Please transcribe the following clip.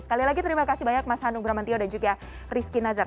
sekali lagi terima kasih banyak mas handung bramantio dan juga rizky nazar